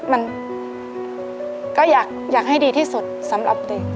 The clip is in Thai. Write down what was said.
มันก็อยากให้ดีที่สุดสำหรับเด็ก